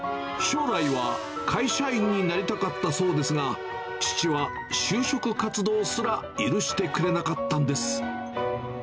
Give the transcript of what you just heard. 将来は会社員になりたかったそうですが、父は就職活動すら許してくれなかったんです。